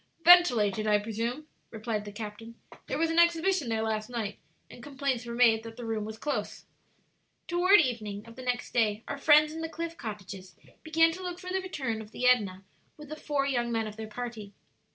"Ventilated, I presume," replied the captain. "There was an exhibition there last night, and complaints were made that the room was close." Toward evening of the next day our friends in the cliff cottages began to look for the return of the Edna with the four young men of their party.